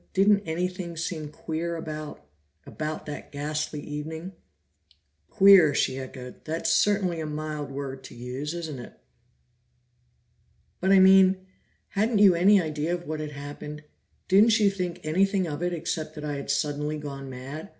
Didn't anything seem queer about about that ghastly evening?" "Queer!" she echoed. "That's certainly a mild word to use, isn't it?" "But I mean hadn't you any idea of what had happened? Didn't you think anything of it except that I had suddenly gone mad?